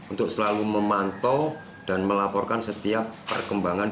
untuk selalu memantau dan melaporkan setiap perkembangan